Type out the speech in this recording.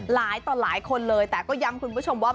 ต่อหลายคนเลยแต่ก็ย้ำคุณผู้ชมว่า